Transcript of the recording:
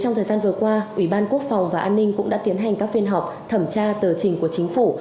trong thời gian vừa qua ủy ban quốc phòng và an ninh cũng đã tiến hành các phiên họp thẩm tra tờ trình của chính phủ